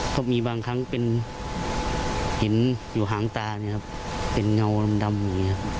เพราะมีบางครั้งเป็นเห็นอยู่ห่างตาเนี่ยครับเป็นเงาดำอย่างนี้ครับ